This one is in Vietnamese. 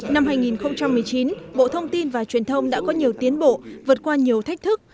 năm hai nghìn một mươi chín bộ thông tin và truyền thông đã có nhiều tiến bộ vượt qua nhiều thách thức